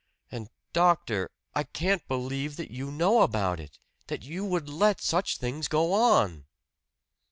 And, doctor I can't believe that you know about it that you would let such things go on!"